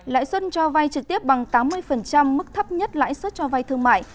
lãi xuất cho vay trực tiếp bằng tám mươi mức thấp nhất lãi xuất cho vay thương mại